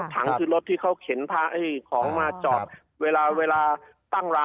ถังคือรถที่เขาเข็นของมาจอดเวลาตั้งร้านเหอะนะครับ